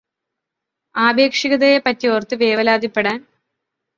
ആപേക്ഷികതയെ പറ്റിയോര്ത്ത് വേവലാതിപ്പെടാന്